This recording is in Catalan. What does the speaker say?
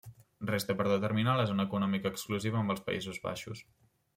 Resta per determinar la zona econòmica exclusiva amb els Països Baixos.